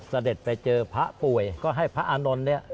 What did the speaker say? เสด็จไปเจอพระป่วยก็ให้พระอานนท์เนี่ย